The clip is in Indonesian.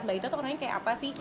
mbak ita tuh nanya kayak apa sih